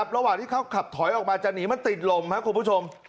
ระหว่างที่เขาขับถอยออกมาจะหนีมันติดลมครับคุณผู้ชม